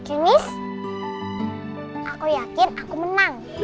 oke miss aku yakin aku menang